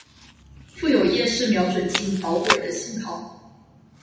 附有夜视瞄准镜导轨的型号。